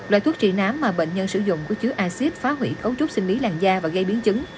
loại thuốc trị nám mà bệnh nhân sử dụng có chứa axit phá hủy cấu trúc sinh lý làn da và gây biến chứng